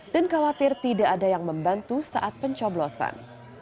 dan khawatir tidak ada yang membantu saat pencoblosan